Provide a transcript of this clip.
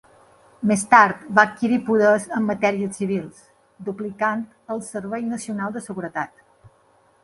Més tard va adquirir poders en matèries civils, duplicant al Servei Nacional de Seguretat.